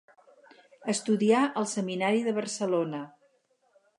Estudià al seminari de Barcelona.